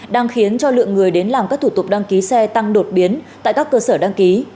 đang khiến cho lượng người đến làm các thủ tục đăng ký xe tăng đột biến tại các cơ sở đăng ký